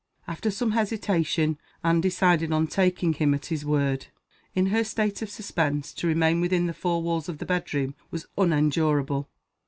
After some hesitation Anne decided on taking him at his word. In her state of suspense, to remain within the four walls of the bedroom was unendurable.